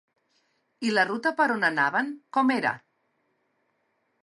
I la ruta per on anaven com era?